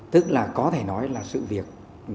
tức là có thể nói là sự việc